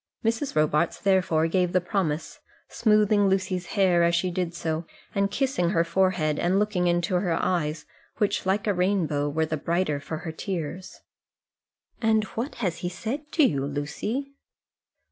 Mrs. Robarts therefore gave the promise, smoothing Lucy's hair as she did so, and kissing her forehead and looking into her eyes, which, like a rainbow, were the brighter for her tears. "And what has he said to you, Lucy?"